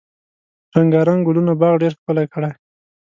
رنګارنګ ګلونه باغ ډیر ښکلی کړی.